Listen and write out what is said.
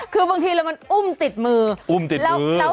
คือบางทีเลยมันอุ้มติดมืออุ้มติดแล้ว